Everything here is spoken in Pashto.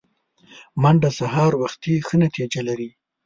منډه سهار وختي ښه نتیجه لري